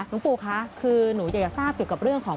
หลวงปู่คะคือหนูอยากจะทราบเกี่ยวกับเรื่องของ